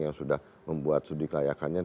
yang sudah membuat studi kelayakannya